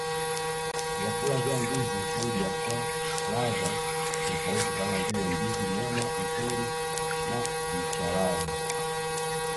Vyakula vya ndizi huja kwa ladha tofauti kama vile ndizi nyama mtori na machalari